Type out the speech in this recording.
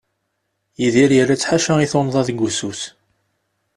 Yidir yerra-tt ḥaca i tunḍa deg ussu-s.